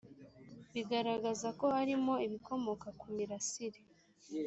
bigaragaza ko harimo ibikomoka kumirasire